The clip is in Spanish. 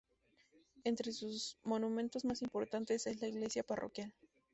Entre sus monumentos más importantes es la iglesia parroquial.